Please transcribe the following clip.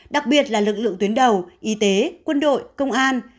đặc biệt là lực lượng tuyến đầu y tế quân đội công an